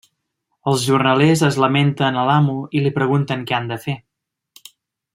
Els jornalers es lamenten a l'amo i li pregunten què han de fer.